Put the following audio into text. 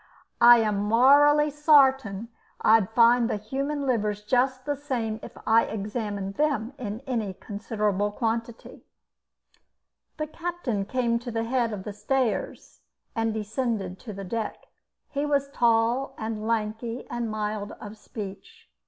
I am morally sartin I'd find the human livers just the same if I examined them in any considerable quantity." The captain came to the head of the stairs and descended to the deck. He was tall and lanky and mild of speech.